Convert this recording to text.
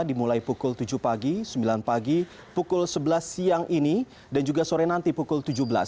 dimulai pukul tujuh pagi sembilan pagi pukul sebelas siang ini dan juga sore nanti pukul tujuh belas